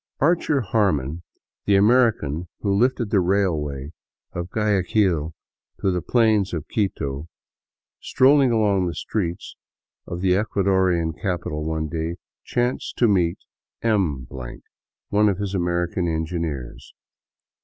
Archer Harman, the American who lifted the railway of Guayaquil to the plains of Quito, strolling along the streets of the Ecuadorian capital one day, chanced to meet M , one of his Amer ican engineers.